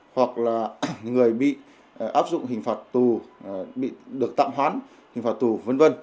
hoặc là người bị áp dụng hình phạt tù bị được tạm hoãn hình phạt tù v v